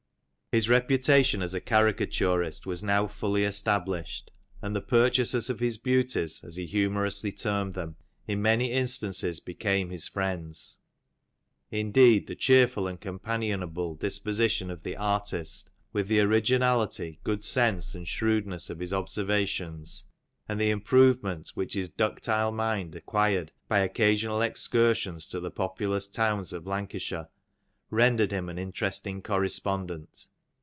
His reputation as a caricaturist was now fully established, and the purchasers of his beauties as he humourously termed them, in many instances became his friends. Indeed the cheerful and companionable disposition of the artist, with the originality, good sense, and shrewdness of his observations, and the improvement which his ductile mind acquired by occasional excursions to the populous towns of Lancashire rendered him an interesting correspondent.